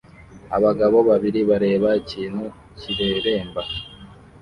Abagabo babiri bareba ikintu kireremba